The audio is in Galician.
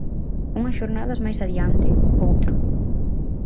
Unhas xornadas máis adiante, outro.